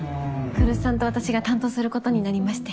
来栖さんと私が担当することになりまして。